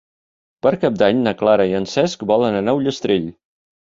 Per Cap d'Any na Clara i en Cesc volen anar a Ullastrell.